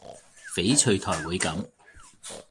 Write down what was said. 翡翠台會噉